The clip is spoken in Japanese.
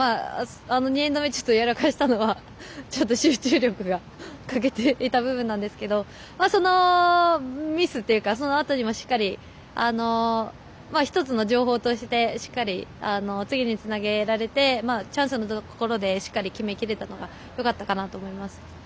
２エンド目ちょっとやらかしたのは集中力が欠けていた部分なんですけどそのミスというかその辺りもしっかり１つの情報としてしっかり、次につなげられてチャンスのところでしっかり決めきれたのがよかったかなと思います。